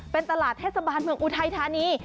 เป็นตลาดเทศบาลเมืองอุทัยธานี